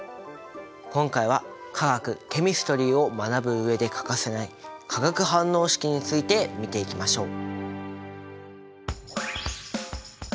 今回は化学ケミストリーを学ぶ上で欠かせない化学反応式について見ていきましょう！